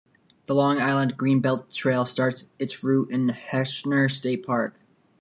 The Long Island Greenbelt Trail starts its route in Heckscher State Park.